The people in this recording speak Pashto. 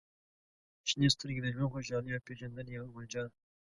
• شنې سترګې د ژوند خوشحالۍ او پېژندنې یوه مرجع ده.